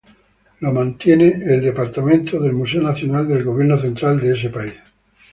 Es mantenido por el Departamento del Museo Nacional del gobierno central de ese país.